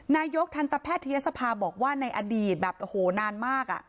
นายกทันตแพทยศภาบอกว่าในอดีตแบบโอ้โหนานมาก